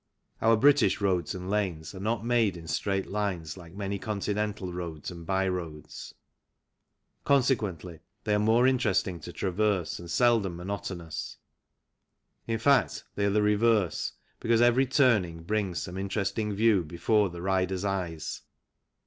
Our British roads and lanes are not made in straight lines like many Continental roads and by roads ; consequently they are more interesting to traverse and seldom monotonous. In fact they are the reverse, because every turning brings some interesting view before the rider's eyes.